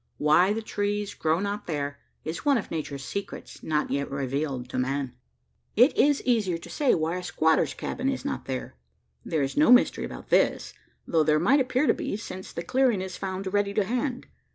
Why the trees grow not there, is one of Nature's secrets, not yet revealed to man. It is easier to say why a squatter's cabin is not there. There is no mystery about this: though there might appear to be, since the clearing is found ready to hand.